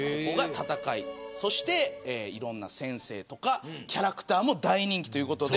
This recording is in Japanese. いろんな先生やキャラクターも大人気ということで。